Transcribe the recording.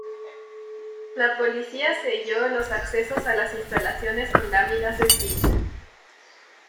La policía selló los accesos a las instalaciones con láminas de zinc.